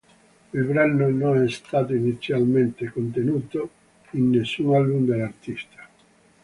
Il brano non è stato, inizialmente, contenuto in nessun album dell'artista.